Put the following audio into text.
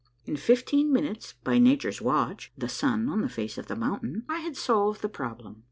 In fifteen minutes, by nature's watch — the sun on the face of the mountain — I had solved the problem.